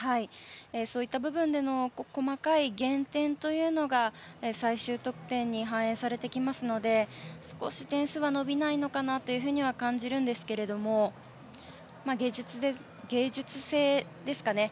そういった部分での細かい減点というのが最終得点に反映されてきますので少し点数は伸びないのかなというふうには感じますが芸術性ですかね。